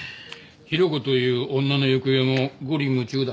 弘子という女の行方も五里霧中だ。